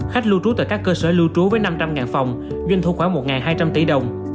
khách lưu trú tại các cơ sở lưu trú với năm trăm linh phòng doanh thu khoảng một hai trăm linh tỷ đồng